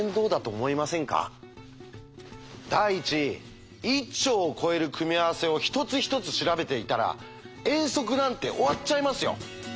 第一１兆を超える組み合わせを一つ一つ調べていたら遠足なんて終わっちゃいますよ。